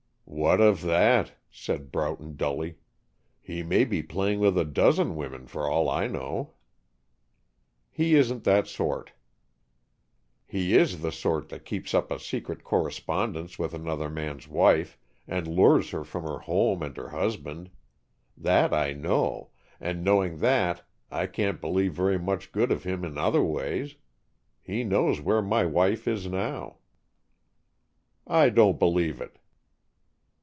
"What of that?" said Broughton dully. "He may be playing with a dozen women for all I know." "He isn't that sort." "He is the sort that keeps up a secret correspondence with another man's wife, and lures her from her home and her husband. That I know, and knowing that I can't believe very much good of him in other ways. He knows where my wife is now." "I don't believe it."